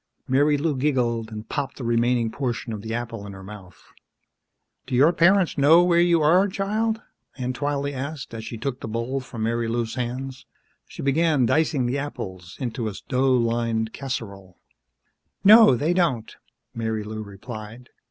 Marilou giggled and popped the remaining portion of the apple in her mouth. "Do your parents know where you are, child?" Aunt Twylee asked, as she took the bowl from Marilou's hands. She began dicing the apples into a dough lined casserole. "No, they don't," Marilou replied.